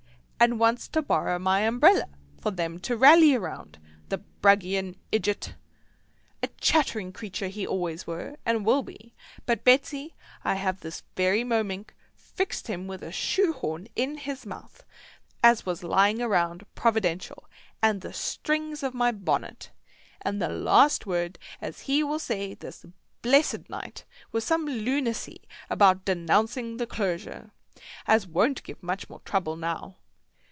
And wants to borrer my umbreller for them "to rally round," the bragian idgiot! A chattering creature he always were, and will be; but, Betsy, I have this wery momink fixed him up with a shoehorn in his mouth, as was lying round providential, and the strings of my bonnet, and the last word as he will say this blessed night was some lunacy about "denouncing the clogeure," as won't give much more trouble now.